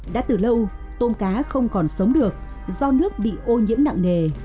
đã từ lâu tôm cá không còn sống được do nước bị ô nhiễm nặng nề